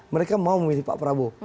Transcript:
mereka mau memilih pak prabowo